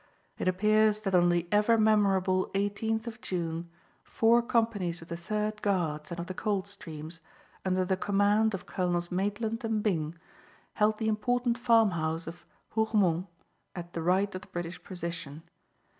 It appears that on the ever memorable 18th of June four companies of the Third Guards and of the Coldstreams, under the command of Colonels Maitland and Byng, held the important farmhouse of Hougoumont at the right of the British position.